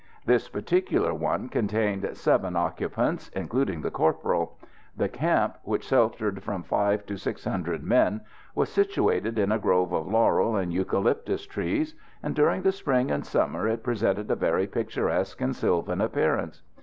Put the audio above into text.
This particular one contained seven occupants, including the corporal. The camp, which sheltered from five to six hundred men, was situated in a grove of laurel and eucalyptus trees; and during the spring and summer it presented a very picturesque and sylvan appearance.